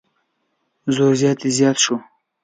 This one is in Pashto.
زور زیاتی زیات شو.